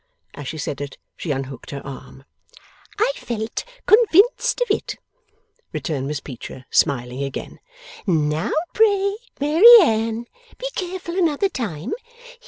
As she said it, she unhooked her arm. 'I felt convinced of it,' returned Miss Peecher, smiling again. 'Now pray, Mary Anne, be careful another time.